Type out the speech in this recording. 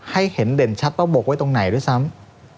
ให้เห็นเด่นชัดว่าบกไว้ตรงไหนด้วยซ้ำ